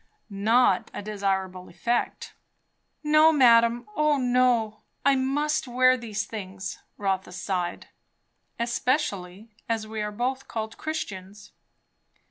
"Not a desirable effect." "No, madame. O no! I must wear these things." Rotha sighed. "Especially as we are both called Christians."